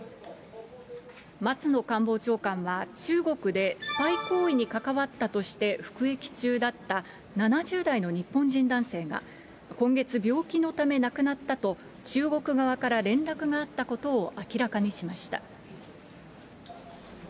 松野官房長官は、中国でスパイ行為に関わったとして、服役中だった７０代の日本人男性が、今月病気のため亡くなったと中国側から連絡があったことを明らかにしました。